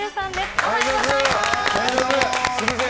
おはようございます。